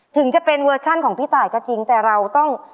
ถึงจะเป็นเวอร์ชันของพี่ตายก็จริงแต่เราต้อง